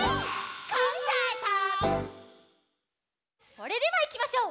それではいきましょう！